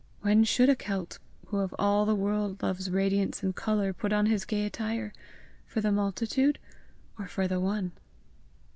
"When should a Celt, who of all the world loves radiance and colour, put on his gay attire? For the multitude, or for the one?"